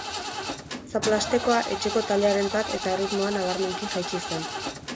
Zaplastekoa etxeko taldearentzat eta erritmoa nabarmenki jaitsi zen.